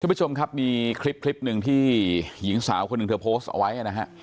คุณผู้ชมครับมีคลิปหนึ่งที่หญิงสาวคนหนึ่งเธอโพสต์เอาไว้นะฮะ